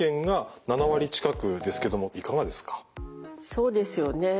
そうですよね。